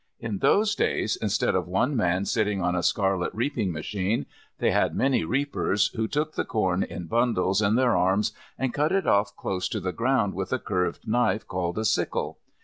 In those days, instead of one man sitting on a scarlet reaping machine, they had many reapers, who took the corn in bundles in their arms and cut it off close to the ground with a curved knife called a sickle.